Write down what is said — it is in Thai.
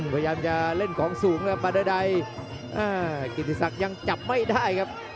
พยายามจะเล่นของสูงครับปาเดอร์ไดอ่ากิติศักดิ์ยังจับไม่ได้ครับ